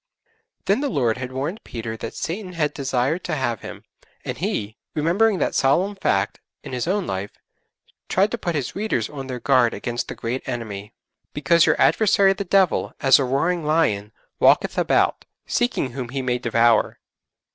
Then the Lord had warned Peter that Satan had desired to have him, and he remembering that solemn fact in his own life tried to put his readers on their guard against the great enemy, '_because your adversary the Devil, as a roaring lion, walketh about, seeking whom he may devour.